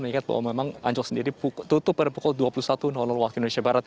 saya ingat bahwa memang ancol sendiri tutup pada pukul dua puluh satu wib